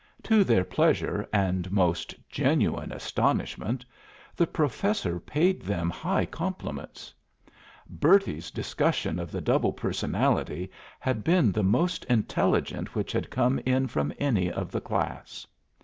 To their pleasure and most genuine astonishment, the Professor paid them high compliments. Bertie's discussion of the double personality had been the most intelligent which had come in from any of the class.